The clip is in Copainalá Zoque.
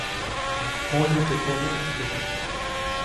J̃uyuʼt teʼ konuʼkskuʼy.